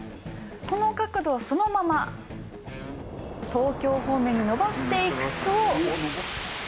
この角度をそのまま東京方面に伸ばしていくと。